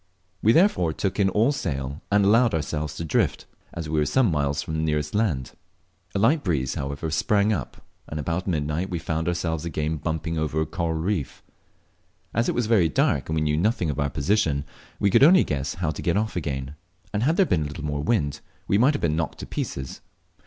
We therefore took in all sail and allowed ourselves to drift, as we were some miles from the nearest land. A light breeze, however, sprang up, and about midnight we found ourselves again bumping over a coral reef. As it was very dark, and we knew nothing of our position, we could only guess how to get off again, and had there been a little more wind we might have been knocked to pieces.